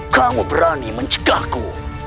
kamu berani mencegahku